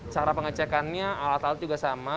cara pengecekannya alat alat juga sama